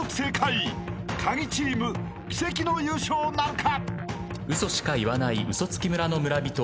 ［カギチーム奇跡の優勝なるか？］